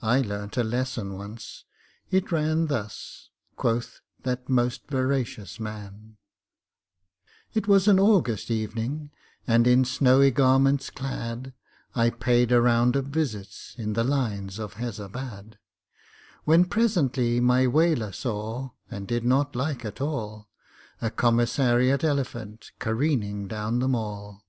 I learnt a lesson once. It ran Thus," quoth that most veracious man: It was an August evening and, in snowy garments clad, I paid a round of visits in the lines of Hezabad; When, presently, my Waler saw, and did not like at all, A Commissariat elephant careering down the Mall.